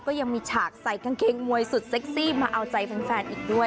ก็ยังมีฉากใส่กางเกงมวยสุดเซ็กซี่มาเอาใจแฟนอีกด้วย